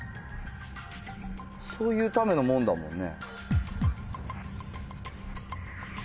そういうためのもんだもんね。